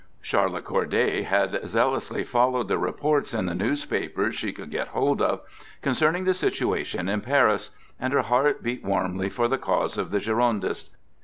Charlotte Corday had zealously followed the reports in the newspapers she could get hold of concerning the situation at Paris, and her heart beat warmly for the cause of the Girondists.